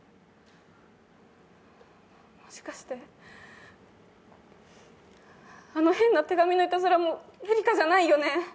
もしかして、あの変な手紙のいたずらもエリカじゃないよね？